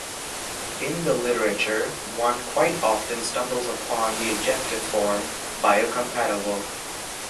In the literature, one quite often stumbles upon the adjective form, 'biocompatible'.